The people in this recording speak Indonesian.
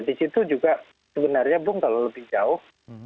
disitu juga sebenarnya belum kalau lebih jauh